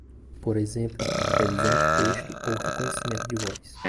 Por exemplo, previsão de texto ou reconhecimento de voz.